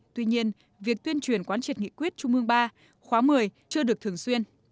tuy nhiên việc tuyên truyền quán triệt nghị quyết trung ương ba khóa một mươi chưa được thường xuyên